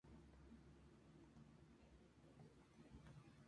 Todos votaron por Violeta, por lo que queda fuera.